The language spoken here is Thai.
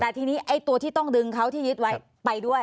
แต่ทีนี้ไอ้ตัวที่ต้องดึงเขาที่ยึดไว้ไปด้วย